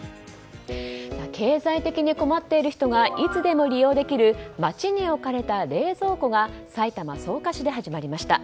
経済的に困っている人がいつでも利用できる街に置かれた冷蔵庫が埼玉・草加市で始まりました。